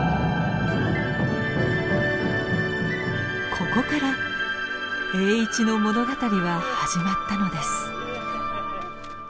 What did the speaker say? ここから栄一の物語は始まったのです。